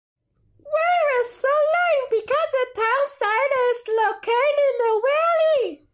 Vale was so-named because the town site is located in a valley.